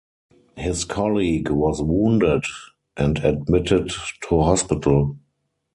His colleague was wounded and admitted to hospital.